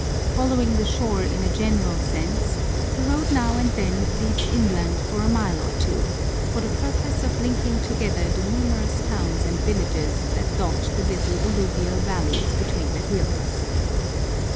Following the shore in a general sense, the road now and then leads inland for a mile or two, for the purpose of linking together the numerous towns and villages that dot the little alluvial valleys between the hills.